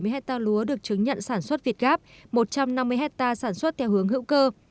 ba trăm bảy mươi hectare lúa được chứng nhận sản xuất vịt gáp một trăm năm mươi hectare sản xuất theo hướng hữu cơ